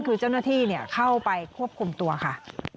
คือเจ้าหน้าที่เข้าไปควบคุมตัวค่ะ